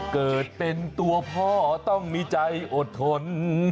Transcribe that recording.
เกิดเป็นตัวพ่อต้องมีใจอดทน